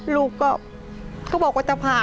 ลูกก็บอกว่าจะผ่า